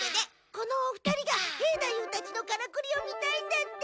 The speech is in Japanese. このお二人が兵太夫たちのカラクリを見たいんだって。